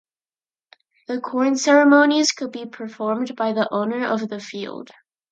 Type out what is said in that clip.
The corn ceremonies could be performed by the owner of the field.